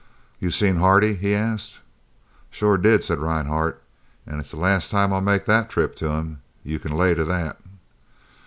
"You seen Hardy?" he asked. "I sure did," said Rhinehart, "an' it's the last time I'll make that trip to him, you can lay to that."